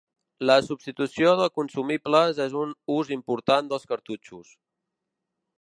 La substitució de consumibles és un ús important dels cartutxos.